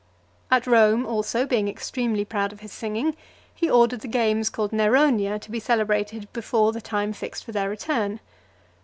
XXI. At Rome also, being extremely proud of his singing, he ordered the games called Neronia to be celebrated before the time fixed for their return.